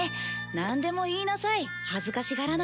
なんでも言いなさい恥ずかしがらないで。